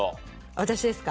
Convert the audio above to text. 私ですか？